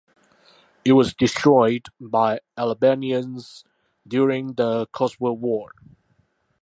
It was destroyed by Albanians during the Kosovo War.